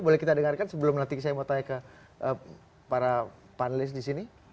boleh kita dengarkan sebelum nanti saya mau tanya ke para panelis di sini